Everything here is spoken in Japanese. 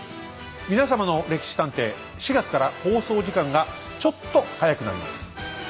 皆様の「歴史探偵」４月から放送時間がちょっと早くなります。